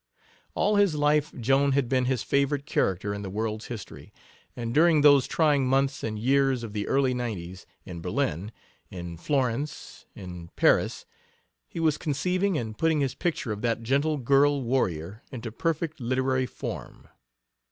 All his life Joan had been his favorite character in the world's history, and during those trying months and years of the early nineties in Berlin, in Florence, in Paris he was conceiving and putting his picture of that gentle girl warrior into perfect literary form.